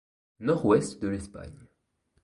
Nord-ouest de l'Espagne.